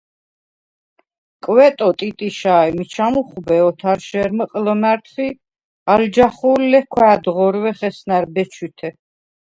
კვეტო ტიტიშა ი მიჩა მუხვბე ოთარშე̄რმჷყ ლჷმა̈რდხ ი ალ ჯახუ̄ლ ლქვ’ ა̄̈დღორვეხ ესნა̈რ, ბეჩვითე.